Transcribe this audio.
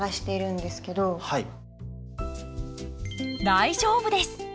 大丈夫です。